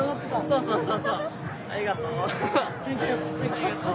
ありがとう。